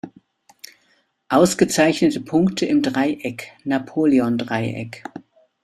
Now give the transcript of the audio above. Ausgezeichnete Punkte im Dreieck, Napoleon-Dreieck